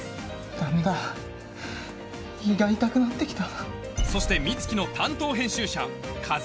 ダメだ胃が痛くなって来た。